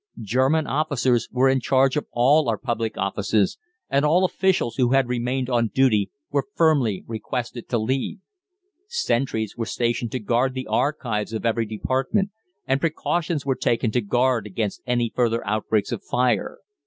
German officers were in charge of all our public offices, and all officials who had remained on duty were firmly requested to leave. Sentries were stationed to guard the archives of every department, and precautions were taken to guard against any further outbreaks of fire.